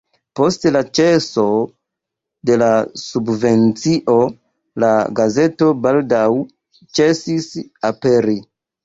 Post la ĉeso de la subvencio la gazeto baldaŭ ĉesis aperi.